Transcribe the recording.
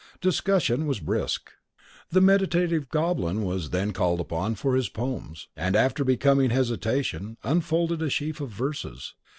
Discussion was brisk. The meditative Goblin then was called upon for his poems; and, after becoming hesitation, unfolded a sheaf of verses.